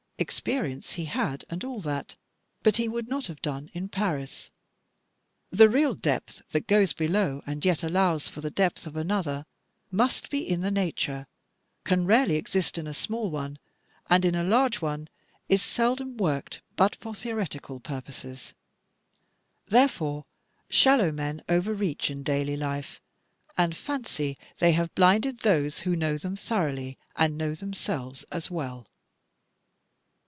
Experience he had, and all that; but he would not have done in Paris. The real depth, that goes below, and yet allows for the depth of another, must be in the nature, can rarely exist in a small one, and in a large one is seldom worked but for theoretical purposes. Therefore shallow men overreach in daily life, and fancy they have blinded those who know them thoroughly, and know themselves as well.